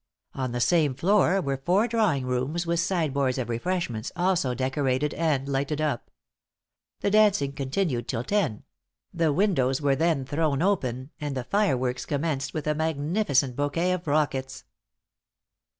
On the same floor were four drawing rooms with sideboards of refreshments, also decorated and lighted up. The dancing continued till ten; the windows were then thrown open, and the fire works commenced with a magnificent bouquet of rockets.